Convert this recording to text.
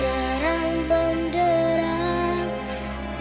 yang terang bendarang